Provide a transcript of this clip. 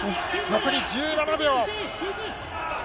残り１７秒。